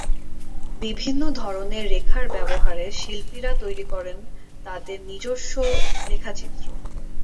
বিভিন্ন ধরনের রেখার ব্যবহারে শিল্পীরা তৈরি করেন তাদের নিজস্ব রেখাচিত্র।